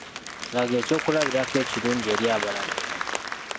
Laga ekyokulabirako Ekirungi eri abalala.